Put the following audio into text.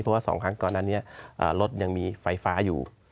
เพราะว่า๒ครั้งก่อนอันนี้รถยังมีไฟฟ้าอยู่